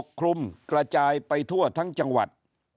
ถ้าป่าปกครุมกระจายไปทั่วทั้งจังหวัด